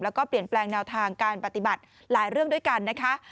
แล้วก็เปลี่ยนแปลงแนวทางการปฏิบัติหลายเรื่องด้วยกันนะคะ